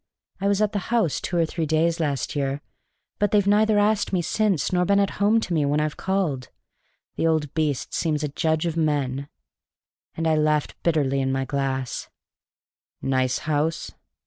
"I was at the house two or three days last year, but they've neither asked me since nor been at home to me when I've called. The old beast seems a judge of men." And I laughed bitterly in my glass. "Nice house?"